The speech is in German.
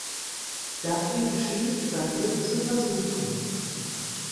Daffy beschließt sein Glück zu versuchen.